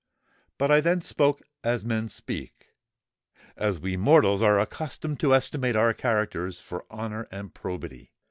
But I then spoke as men speak—as we mortals are accustomed to estimate our characters for honour and probity.